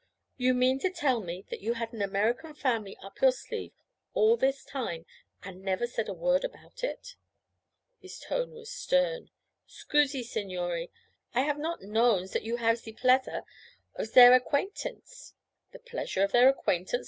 'You mean to tell me that you had an American family up your sleeve all this time and never said a word about it?' His tone was stern. 'Scusi, signore, I have not known zat you have ze plaisir of zer acquaintance.' 'The pleasure of their acquaintance!